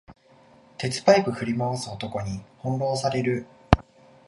鉄パイプ振り回す男に翻弄される